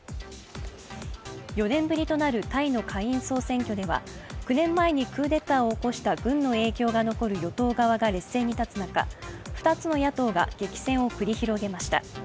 ４年ぶりとなるタイの下院総選挙では９年前にクーデターを起こした軍の影響が残る与党側が劣勢に立つ中、２つの野党が激戦を繰り広げました。